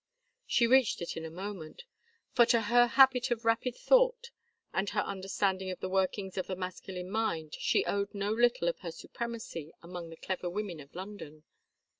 She reached it in a moment, for to her habit of rapid thought and her understanding of the workings of the masculine mind she owed no little of her supremacy among the clever women of London.